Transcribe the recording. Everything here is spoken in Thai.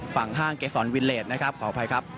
ฝั่งห้างเกษรวินเรดนะครับขออภัยครับ